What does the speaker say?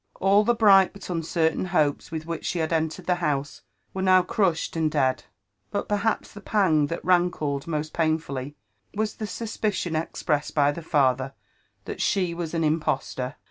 All the bright but uncettain hopes wKh which ahe had entered the house were now crushed and dead ; but perhaps the pang that rankled most pain fully was Itilie suspicion expressed by the isther that she was an im postor.